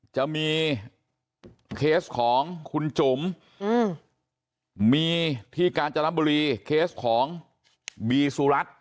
จะมีเคสของคุณจุ๋มมีที่กาญจนบุรีเคสของบีสุรัตน์